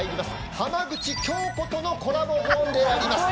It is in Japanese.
浜口京子とのコラボゾーンであります。